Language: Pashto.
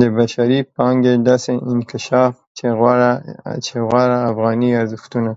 د بشري پانګې داسې انکشاف چې غوره افغاني ارزښتونو